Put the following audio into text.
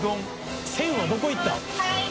鮮」はどこいった！